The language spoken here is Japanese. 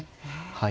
はい。